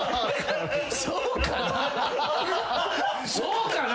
そうかな？